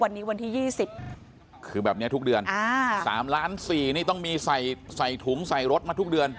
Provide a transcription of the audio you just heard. วันนี้วันที่๒๐คือแบบนี้ทุกเดือน๓ล้าน๔นี่ต้องมีใส่ถุงใส่รถมาทุกเดือน